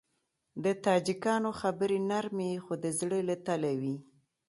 د تاجکانو خبرې نرمې خو د زړه له تله وي.